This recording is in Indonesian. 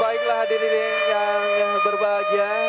baiklah hadirin yang berbahagia